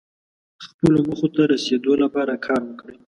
خپلو موخو ته رسیدو لپاره کار وکړئ.